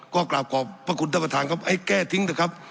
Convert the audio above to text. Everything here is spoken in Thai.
ก็กราบขอบพระคุณท่านประธานครับให้แก้ทิ้งเถอะครับ